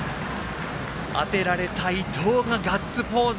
当てられた伊藤がガッツポーズ。